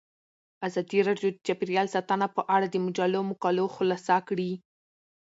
ازادي راډیو د چاپیریال ساتنه په اړه د مجلو مقالو خلاصه کړې.